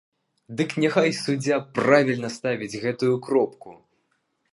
Дык няхай суддзя правільна ставіць гэтую кропку!